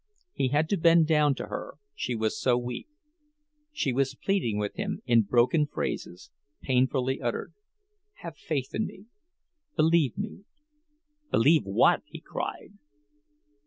He had to bend down to her, she was so weak. She was pleading with him, in broken phrases, painfully uttered: "Have faith in me! Believe me!" "Believe what?" he cried.